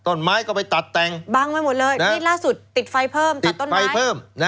ต้นไม้ก็ไปตัดแต่งบังไว้หมดเลยนี่ล่าสุดติดไฟเพิ่มตัดต้นไม้เพิ่ม